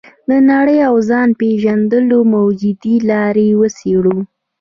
د نړۍ او ځان پېژندلو موجودې لارې وڅېړو.